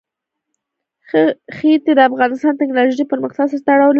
ښتې د افغانستان د تکنالوژۍ پرمختګ سره تړاو لري.